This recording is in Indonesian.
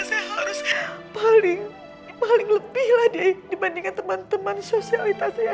saya harus paling paling lebih lah deh dibandingkan teman teman sosialitas saya